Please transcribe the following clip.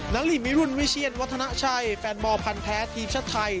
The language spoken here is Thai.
นาลีมิรุนวิเชียนวัฒนาชัยแฟนบอลพันธ์แท้ทีมชาติไทย